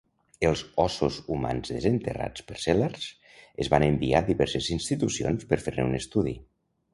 Els ossos humans desenterrats per Sellards es van enviar a diverses institucions per fer-ne un estudi.